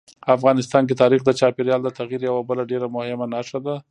افغانستان کې تاریخ د چاپېریال د تغیر یوه بله ډېره مهمه نښه ده.